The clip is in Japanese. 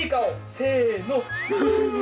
せの。